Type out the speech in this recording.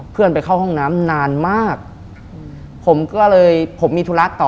เพื่อนไปเข้าห้องน้ำนานมากผมก็เลยผมมีธุระต่อ